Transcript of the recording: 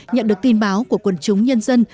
nhận được tin báo của quân chúng nhân dân